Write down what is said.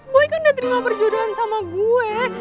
boy kan udah terima perjodohan sama gue ya